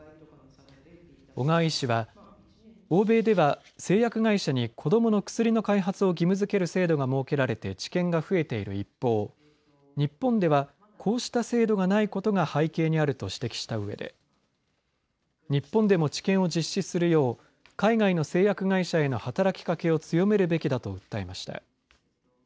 小川医師は欧米では製薬会社に子どもの薬の開発を義務付ける制度が設けられて治験が増えている一方日本ではこうした制度がないことが背景にあると指摘した上で日本でも治験を実施するよう海外の製薬会社への働きかけを強めるべきだと訴えました。